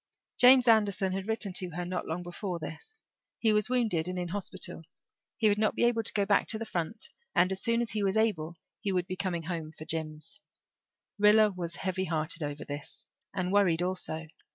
James Anderson had written to her not long before this; he was wounded and in the hospital; he would not be able to go back to the front and as soon as he was able he would be coming home for Jims. Rilla was heavy hearted over this, and worried also.